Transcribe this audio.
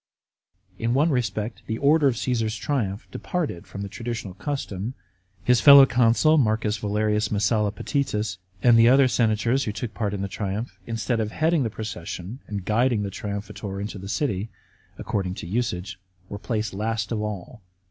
In one respect the order of Caesar's triumph departed from the traditional custom. His fellow consul M. Valerius Messalla Potitus, and the other senators who took part in the triumph, instead of heading the procession and guiding the triumphator into the city, according to usage, were placed last of all.